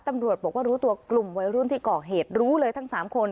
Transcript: ตำรวจบอกว่ารู้ตัวกลุ่มวัยรุ่นที่ก่อเหตุรู้เลยทั้ง๓คน